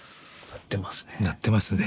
なってますね。